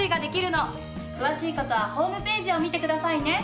詳しい事はホームページを見てくださいね。